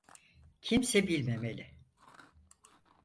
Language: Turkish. Kimse bilmemeli.